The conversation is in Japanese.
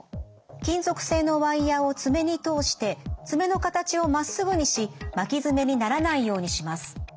金属製のワイヤーを爪に通して爪の形をまっすぐにし巻き爪にならないようにします。